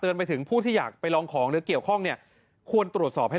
พระอาจารย์ออสบอกว่าอาการของคุณแป๋วผู้เสียหายคนนี้อาจจะเกิดจากหลายสิ่งประกอบกัน